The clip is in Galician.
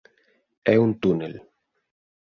É un túnel.